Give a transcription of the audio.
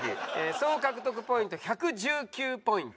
総獲得ポイント１１９ポイント。